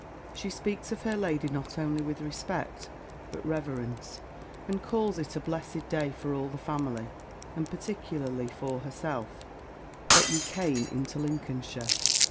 She speaks of her lady not only with respect, but reverence; and calls it a blessed day for all the family, and particularly for herself, that you came into Lincolnshire.